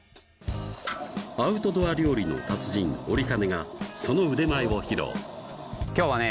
アウトドア料理の達人折金がその腕前を披露きょうはね